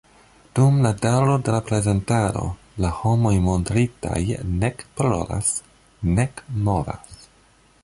Dum la daŭro de la prezentado, la homoj montritaj nek parolas, nek movas.